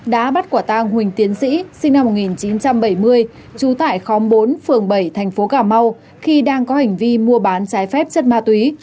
đã bắt quả tang huỳnh tiến sĩ sinh năm một nghìn chín trăm bảy mươi trú tại khóm bốn phường bảy thành phố cà mau khi đang có hành vi mua bán trái phép chất ma túy